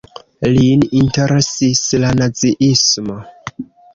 Lin interesis la Naziismo.